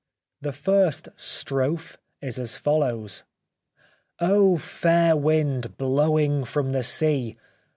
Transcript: The first strophe is as follows :—" O Fair Wind blowing from the sea